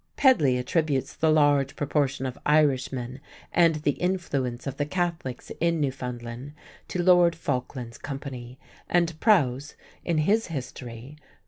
Pedley attributes the large proportion of Irishmen and the influence of the Catholics in Newfoundland to Lord Falkland's company, and Prowse, in his History (pp.